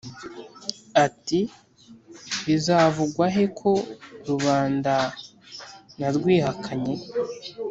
ati"bizavugwahe ko rubanda na rwihakanye